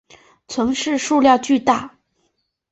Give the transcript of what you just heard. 存世数量巨大。